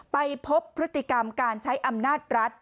ไปพบพฤติกรรมการใช้อำนาจรัฐ